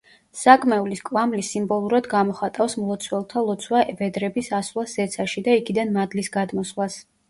საკმევლის კვამლი სიმბოლურად გამოხატავს მლოცველთა ლოცვა-ვედრების ასვლას ზეცაში და იქიდან მადლის გადმოსვლას.